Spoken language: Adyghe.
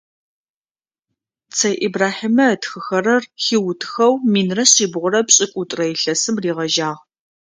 Цэй Ибрахьимэ ытхыхэрэр хиутыхэу минрэ шъибгъурэ пшӏыкӏутӏрэ илъэсым ригъэжьагъ.